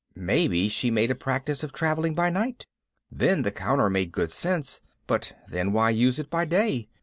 Maybe she made a practice of traveling by night! Then the counter made good sense. But then why use it by day?